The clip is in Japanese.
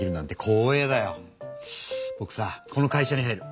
ぼくさこの会社に入る。